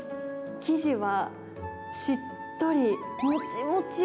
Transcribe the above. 生地はしっとり、もちもち。